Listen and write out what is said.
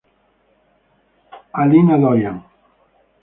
Alina Dorian.